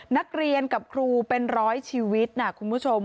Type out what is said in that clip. นักเรียนกับครูเป็นร้อยชีวิตนะคุณผู้ชม